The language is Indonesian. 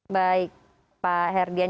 baik pak herdian